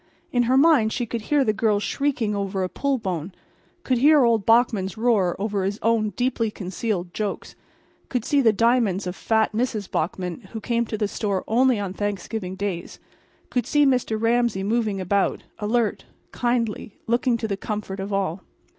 In her mind she could hear the girls shrieking over a pull bone, could hear old Bachman's roar over his own deeply concealed jokes, could see the diamonds of fat Mrs. Bachman, who came to the store only on Thanksgiving days, could see Mr. Ramsay moving about, alert, kindly, looking to the comfort of all.